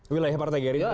wilayah partai gerindra